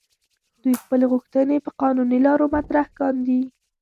دوی خپلې غوښتنې په قانوني لارو مطرح کاندي.